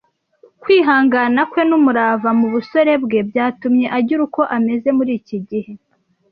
Kwihangana kwe n'umurava mu busore bwe byatumye agira uko ameze muri iki gihe.